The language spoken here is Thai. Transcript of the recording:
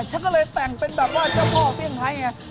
ฉันก็เลยแต่งเป็นแบบว่าเจ้าพ่อเปลี่ยงให้เนี่ย